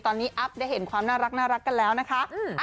ตอนนี้อัพได้เห็นความน่ารักกันแล้วนะคะ